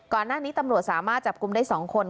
ก่อนหน้านี้ตำรวจสามารถจับกลุ่มได้๒คน